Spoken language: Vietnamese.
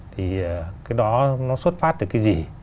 thì cái đó nó xuất phát từ cái gì